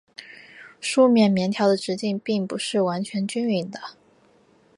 梳棉棉条的直径并不是完全均匀的。